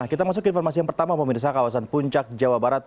kita masuk ke informasi yang pertama pemirsa kawasan puncak jawa barat